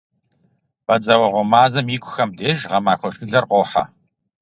Бадзэуэгъуэ мазэм икухэм деж гъэмахуэ шылэр къохьэ.